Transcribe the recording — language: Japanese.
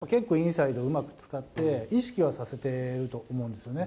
結構、インサイドをうまく使って、意識はさせてると思うんですよね。